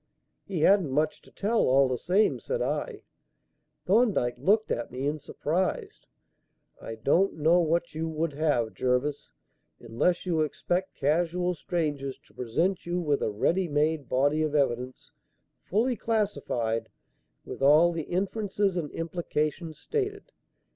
"He hadn't much to tell, all the same," said I. Thorndyke looked at me in surprise. "I don't know what you would have, Jervis, unless you expect casual strangers to present you with a ready made body of evidence, fully classified, with all the inferences and implications stated.